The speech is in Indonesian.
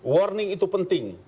warning itu penting